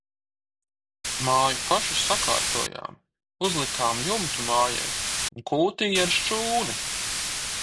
Māju paši sakārtojām, uzlikām jumtu mājai un kūtij ar šķūni.